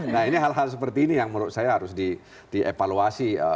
nah ini hal hal seperti ini yang menurut saya harus dievaluasi